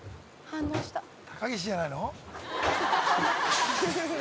高岸じゃないの？